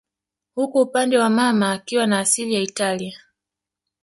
huku upande wa mama akiwa na asili ya Italia